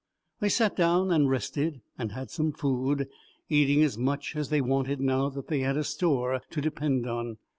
They sat down and rested and had some food, eating as much as they wanted now that they had a store to depend on.